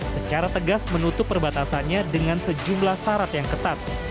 secara tegas menutup perbatasannya dengan sejumlah syarat yang ketat